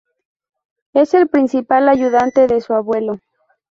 Es el principal ayudante de su abuelo.